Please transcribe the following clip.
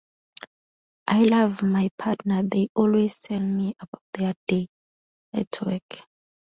I love my partner, they always tell me about their day at work.